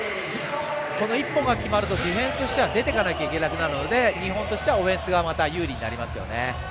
この１本が決まるとディフェンスとしては出ていかなければいけなくなるので日本としてはオフェンスが有利になりますね。